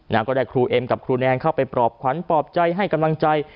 ก็ได้ครูเอ็มกับครูแนนเข้าไปปลอบขวัญปลอบใจให้กำลังใจ